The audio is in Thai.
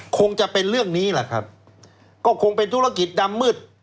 คงจะเป็นเรื่องนี้แหละครับก็คงเป็นธุรกิจดำมืด